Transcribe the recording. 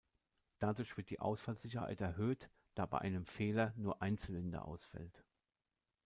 Dadurch wird die Ausfallsicherheit erhöht, da bei einem Fehler nur ein Zylinder ausfällt.